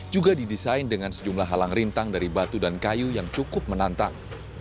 juga didesain dengan sejumlah halang rintang dari batu dan kayu yang cukup menantang